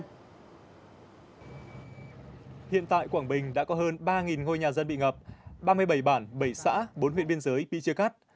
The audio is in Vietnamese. hiện tại quảng bình đã có hơn ba ngôi nhà dân bị ngập ba mươi bảy bản bảy xã bốn huyện biên giới bị chia cắt